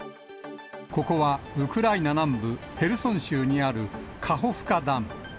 ここはウクライナ南部ヘルソン州にあるカホフカダム。